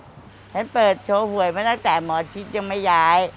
ฉันเปิดโชว์หวยมาตั้งแต่หมอชิดยังไม่ย้าย